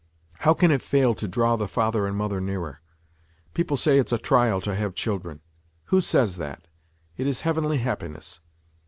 How can it fail to draw the father and mother nearer ? People say it's a trial to have children. Who says that ? It is heavenly happiness